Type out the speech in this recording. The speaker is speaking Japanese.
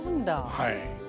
はい。